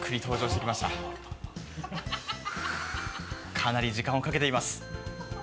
かなり時間をかけています。